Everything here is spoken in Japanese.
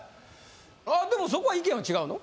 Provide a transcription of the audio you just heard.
あっでもそこは意見は違うの？